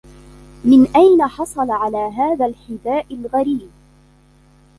من أين حصل على هذا الحداء الغريب؟